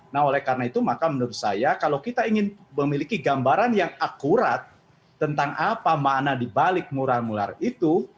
nah oleh karena itu maka menurut saya kalau kita ingin memiliki gambaran yang akurat tentang apa makna dibalik mural mural itu